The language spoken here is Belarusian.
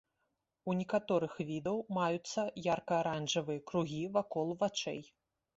У некаторых відаў маюцца ярка-аранжавыя кругі вакол вачэй.